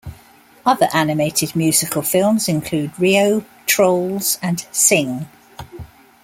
Other animated musical films include "Rio", "Trolls", and "Sing".